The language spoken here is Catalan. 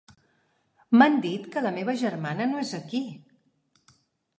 M'han dit que la meva germana no és aquí.